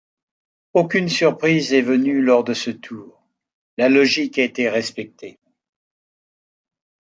Aucune surprise est venue lors de ce tour, la logique a été respectée.